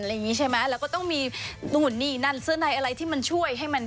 แล้วก็ต้องมีส่วนในอะไรอะไรที่ช่วย